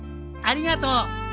ありがとう。